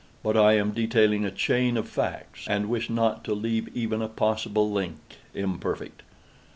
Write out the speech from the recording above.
But I am detailing a chain of facts—and wish not to leave even a possible link imperfect.